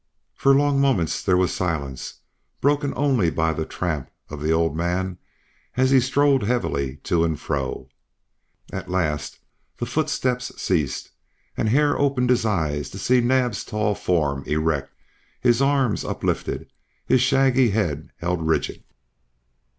For long moments there was silence broken only by the tramp of the old man as he strode heavily to and fro. At last the footsteps ceased, and Hare opened his eyes to see Naab's tall form erect, his arms uplifted, his shaggy head rigid.